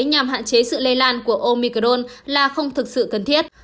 nhằm hạn chế sự lây lan của omicron là không thực sự cần thiết